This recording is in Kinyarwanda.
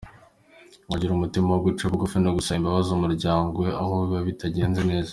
Agira umutima wo guca bugufi no gusaba imbabazi umuryango we aho biba bitagenze neza.